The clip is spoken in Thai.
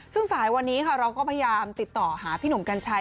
ซึ่งสายวันนี้ค่ะเราก็พยายามติดต่อหาพี่หนุ่มกัญชัย